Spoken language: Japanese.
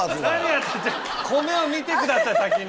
米を見てください先に！